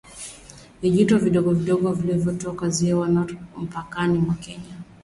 Vijito vidogovidogo vinavyotoka Ziwa Natron mpakani mwa Kenya